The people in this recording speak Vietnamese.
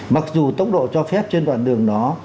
mặc dù tốc độ cho phép trên đoạn đường đó